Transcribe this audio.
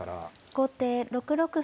後手６六歩。